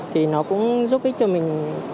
thì nó cũng giúp ích cho mình